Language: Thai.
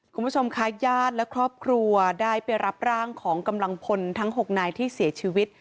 คุณผู้ชมค่ะญาติและครอบครัวได้ไปรับร่างของกำลังพลทั้ง๖นายที่เสียชีวิต